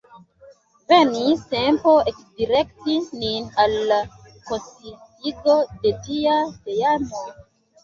Venis tempo ekdirekti nin al la konsistigo de tia teamo.